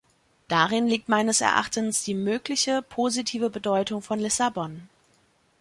Darin liegt meines Erachtens die mögliche positive Bedeutung von Lissabon.